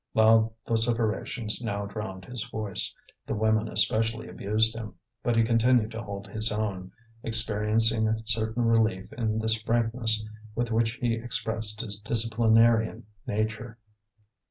Loud vociferations now drowned his voice, the women especially abused him. But he continued to hold his own, experiencing a certain relief in this frankness with which he expressed his disciplinarian nature.